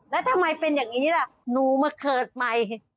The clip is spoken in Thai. แล้วทำไมเป็นอย่างนี้ล่ะหนูมาเกิดใหม่